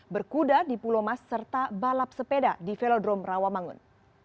berkuda di pulau mas serta balap sepeda di velodrome rawamangun